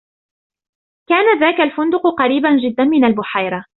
كان ذاك الفندق قريباً جداً من البحيرة.